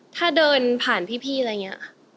ถ้าเดินผ่านพี่อะไรอย่างนี้